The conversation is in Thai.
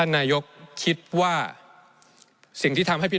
ในช่วงที่สุดในรอบ๑๖ปี